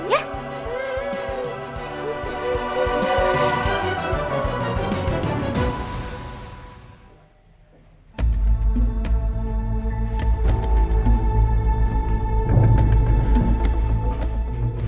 orang yang peduli tentang diri kita